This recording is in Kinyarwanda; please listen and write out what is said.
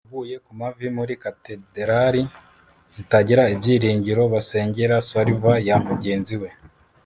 waguye ku mavi muri katedrali zitagira ibyiringiro basengera salva ya mugenzi we